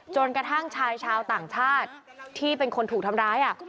จนกระทั่งชายชาวต่างชาติที่เป็นคนถูกทำร้าย